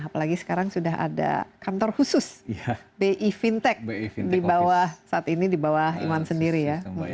apalagi sekarang sudah ada kantor khusus bi fintech di bawah saat ini di bawah iwan sendiri ya